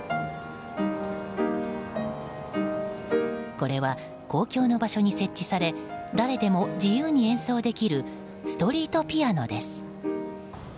これは、公共の場所に設置され誰でも自由に演奏できるストリートピアノです。